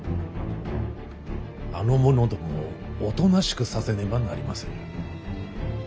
あの者どもをおとなしくさせねばなりませぬ。